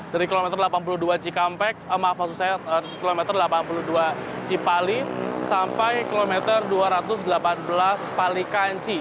dari kilometer delapan puluh dua cikampek maaf maksud saya kilometer delapan puluh dua cipali sampai kilometer dua ratus delapan belas palikanci